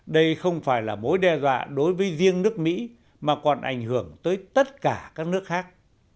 đây không phải là mối đe dọa đối với riêng nước mỹ mà còn ảnh hưởng tới tất cả các nước khác